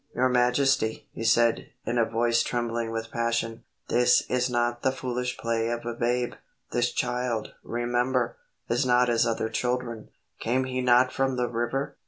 "Your majesty," he said, in a voice trembling with passion, "this is not the foolish play of a babe. This child, remember, is not as other children. Came he not from the river?